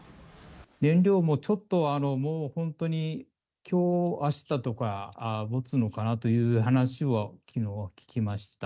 燃料もちょっと、もう、本当にきょうあしたとかもつのかなという話をきのう聞きました。